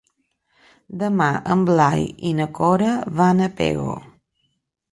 Demà en Blai i na Cora van a Pego.